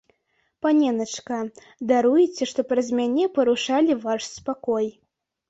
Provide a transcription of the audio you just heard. Паненачка, даруйце, што праз мяне парушалі ваш спакой.